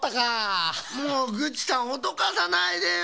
もうグッチさんおどかさないでよ。